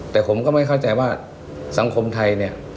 แต่ผมก็ไม่เข้าใจว่าสังคมไทยเนี่ย